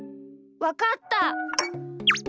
わかった。